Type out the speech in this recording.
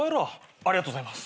ありがとうございます。